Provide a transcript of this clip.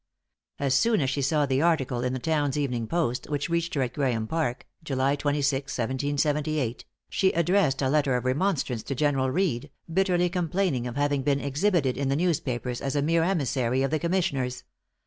As soon as she saw the article in Towne's Evening Post, which reached her at Graeme Park, July 26th, 1778, she addressed a letter of remonstrance to General Reed, bitterly complaining of having been exhibited in the newspapers as a mere emissary of the commissioners.